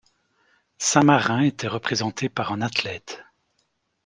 Saint-Marin était représenté par un athlète.